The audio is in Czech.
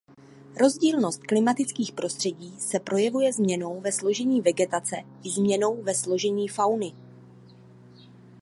Rozdílnost klimatických prostředí se projevuje změnou ve složení vegetace i změnou ve složení fauny.